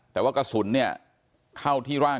แต่ว่ากระสุนเนี่ยเข้าที่ร่าง